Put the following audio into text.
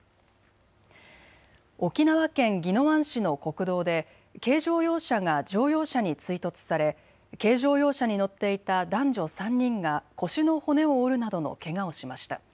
沖縄県宜野湾市の国道で軽乗用車が乗用車に追突され軽乗用車に乗っていた男女３人が腰の骨を折るなどのけがをしました。